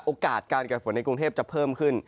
โอกาสการเกิดฝนในกรุงเทพจะเพิ่มขึ้น